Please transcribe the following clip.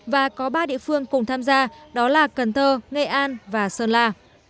và có ba địa phương cùng tham gia đó là cần thơ nghệ an và sơn la